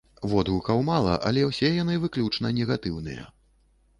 Водгукаў мала, але ўсе яны выключна негатыўныя.